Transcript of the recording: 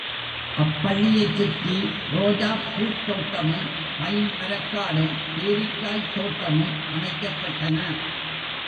அப்பள்ளியைச் சுற்றி ரோஜாப்பூத் தோட்டமும், பைன் மரக்காடும் பேரிக்காய்த் தோட்டமும் அமைக்கப்பட்டன.